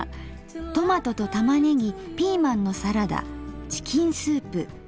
「トマトと玉ねぎピーマンのサラダチキンスープ」。